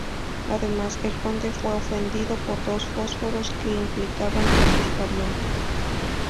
Además, el conde fue ofendido por dos fósforos que implicaban a sus parientes.